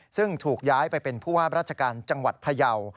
ซึ่งถูกย้ายไปเป็นผู้ว่าราชการจังหวัดพยาว